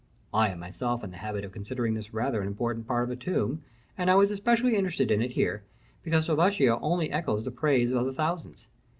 I am myself in the habit of considering this rather an important part of a tomb, and I was especially interested in it here, because Selvatico only echoes the praise of thousands.